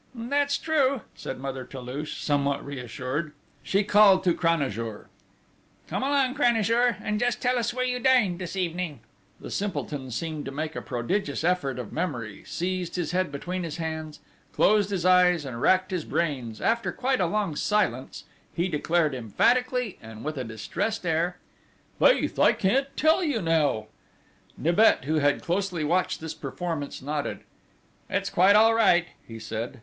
"That's true!" said Mother Toulouche, somewhat reassured. She called to Cranajour: "Come along, Cranajour, and just tell us where you dined this evening!" The simpleton seemed to make a prodigious effort of memory, seized his head between his hands, closed his eyes, and racked his brains: after quite a long silence, he declared emphatically and with a distressed air: "Faith, I can't tell you now!" Nibet, who had closely watched this performance, nodded: "It's quite all right," he said.